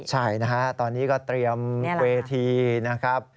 ใช่นะฮะตอนนี้ก็เตรียมเวทีนะครับ